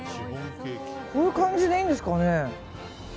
こういう感じでいいんですかね。